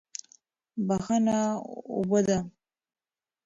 بښنه اوبه دي.